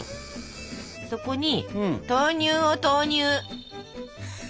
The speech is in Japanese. そこに豆乳を投入。